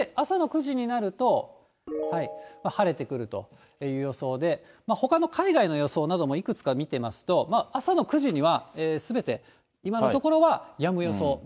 朝６時になると、晴れてくるという予想で、ほかの海外の予想などもいくつか見てみますと、朝の９時には、すべて今のところはやむ予想。